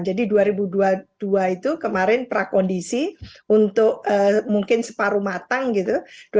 jadi dua ribu dua puluh dua itu kemarin prakondisi untuk mungkin separuh matang gitu